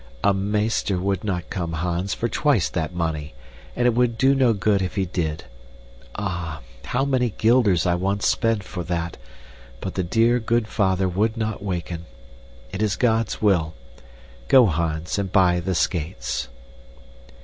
"A meester would not come, Hans, for twice that money, and it would do no good if he did. Ah, how many guilders I once spent for that, but the dear, good father would not waken. It is God's will. Go, Hans, and buy the skates."